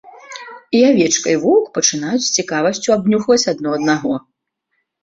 І авечка і воўк пачынаюць з цікавасцю абнюхваць адно аднаго.